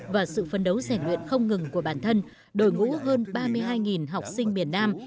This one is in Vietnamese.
và sự phân đấu rẻ nguyện không ngừng của bản thân đổi ngũ hơn ba mươi hai học sinh miền nam